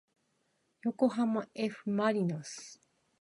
よこはまえふまりのす